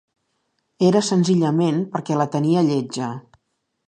Era senzillament, perquè la tenia lletja.